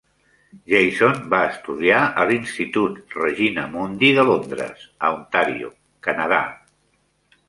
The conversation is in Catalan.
Jason va estudiar a l'institut Regina Mundi de Londres a Ontario, Canadà.